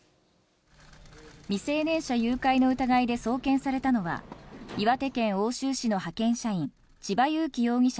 未成年者誘拐の疑いで送検されたのは、岩手県奥州市の派遣社員、千葉裕生容疑者